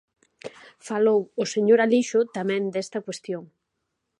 Falou o señor Alixo tamén desta cuestión.